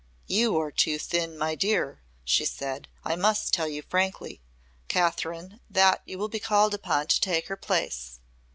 "You are too thin, my dear," she said. "I must tell you frankly, Kathryn, that you will be called upon to take her place.